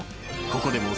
ここでも］